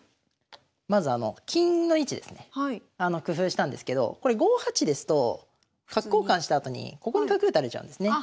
まずあの金の位置ですね工夫したんですけどこれ５八ですと角交換したあとにここに角打たれちゃうんですね。